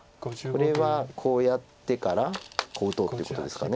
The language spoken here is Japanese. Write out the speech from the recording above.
これはこうやってからこう打とうっていうことですか。